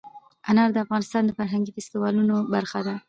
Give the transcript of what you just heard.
انار د افغانستان د فرهنګي فستیوالونو برخه ده.